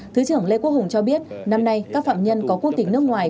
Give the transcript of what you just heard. thứ trưởng lê quốc hùng cho biết năm nay các phạm nhân có quốc tịch nước ngoài